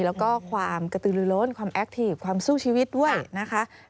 แล้วก็ความกระตือลือล้นความแอคทีฟความสู้ชีวิตด้วยนะคะ